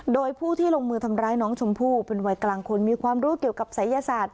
โดยผู้ที่ลงมือทำร้ายน้องชมพู่เป็นวัยกลางคนมีความรู้เกี่ยวกับศัยศาสตร์